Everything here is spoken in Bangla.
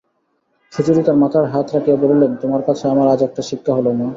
সুচরিতার মাথায় হাত রাখিয়া বলিলেন, তোমার কাছে আমার আজ একটা শিক্ষা হল মা!